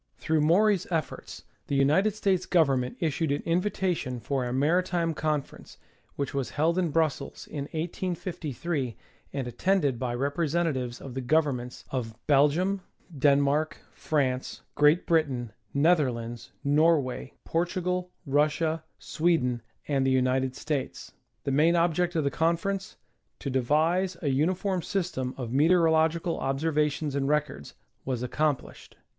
Through Maury's efforts the United States Government issued an invitation for a mai'itime conference, Avhich was held in Brussels in 1853 and attended by representatives of the governments of Bel gium, Denmark, France, Great Britain, Netherlands, Norway, Portugal, Russia, Sweden and the United States. The main ob ject of the conference, to devise a uniform system of meteoro logical observations and records, was accomplished.